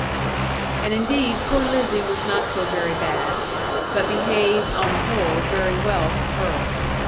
And indeed poor Lizzie was not so very bad; but behaved (on the whole) very well for her.